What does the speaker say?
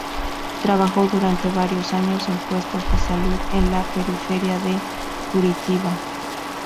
Trabajó durante varios años en puestos de salud en la periferia de Curitiba.